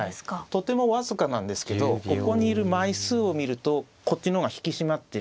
とても僅かなんですけどここにいる枚数を見るとこっちの方が引き締まってる。